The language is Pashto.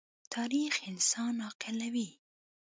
تاریخ انسان عاقلوي.